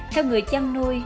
theo người chăn nuôi